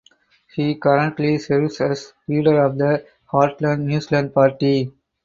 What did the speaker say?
He currently serves as leader of the Heartland New Zealand Party.